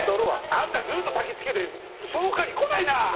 あんたずっとたきつけて消火に来ないな！